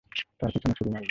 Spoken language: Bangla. তার পেছনে ছুরি মারলো।